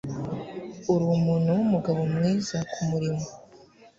urumuntu wumugabo mwiza kumurimo